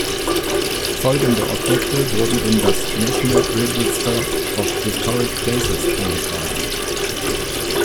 Folgende Objekte wurden in das "National Register of Historic Places" eingetragen.